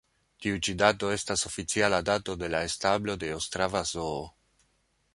Tiu ĉi dato estas oficiala dato de la establo de ostrava zoo.